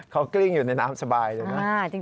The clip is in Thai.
เขากลิ้งอยู่ในน้ำสบายเลยนะ